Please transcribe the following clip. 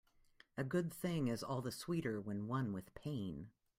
A good thing is all the sweeter when won with pain.